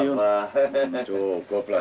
menyebabkan pengemari jangga di dalam